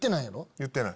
言ってない。